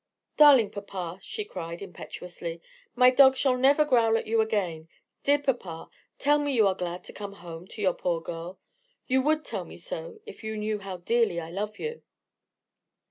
"Darling papa," she cried, impetuously; "my dog shall never growl at you again. Dear papa, tell me you are glad to come home to your poor girl. You would tell me so, if you knew how dearly I love you."